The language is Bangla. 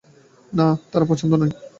না, তার পছন্দ নয়।